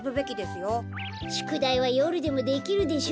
しゅくだいはよるでもできるでしょ？